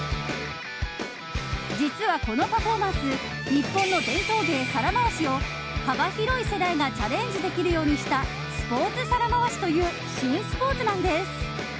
実はこのパフォーマンス日本の伝統芸、皿回しを幅広い世代がチャレンジできるようにしたスポーツ皿回しという新スポーツなんです。